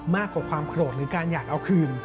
มากกว่าความโกรธหรือการอยากเอาคืน